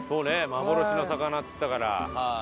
幻の魚っつったから。